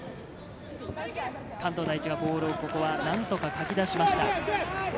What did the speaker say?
関東第一がボールをここは何とかかき出しました。